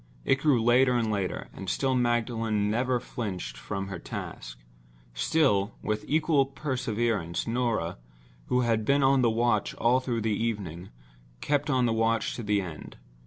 It grew later and later; and still Magdalen never flinched from her task—still, with equal perseverance, Norah, who had been on the watch all through the evening, kept on the watch to the end.